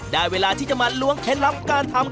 ได้เวลาที่จะมาล้วงเคล็ดลับการทำ